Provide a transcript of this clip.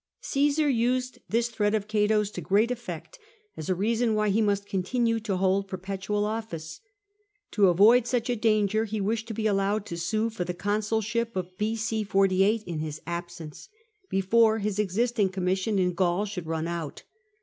Caesar used this threat of Cato's to great effect as a reason why he must continue to hold perpetual office. To avoid such a danger he wished to be allowed to sue for the consulship of B.C. 48 in his absence, before his existing commission in Gaul should run out.